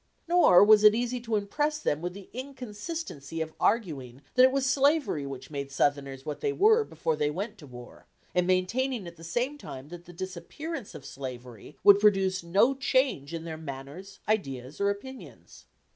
Nor was it easy to impress them with the inconsistency of arguing that it was slavery which made Southerners what they were before they went to war, and maintaining at the same time that the disappearance of slavery would produce no change in their manners, ideas, or opinions.